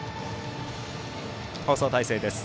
放送体制です。